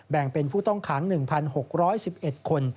แบ่งเป็นผู้ต้องขัง๑๖๑๑คน